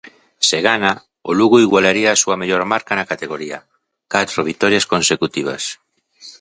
Se gana, o Lugo igualaría a súa mellor marca na categoría, catro vitorias consecutivas.